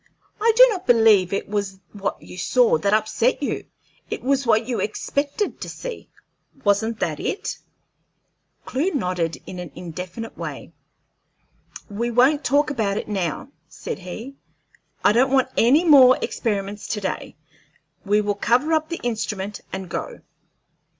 "I do not believe it was what you saw that upset you; it was what you expected to see wasn't that it?" Clewe nodded in an indefinite way. "We won't talk about it now," said he. "I don't want any more experiments to day. We will cover up the instrument and go."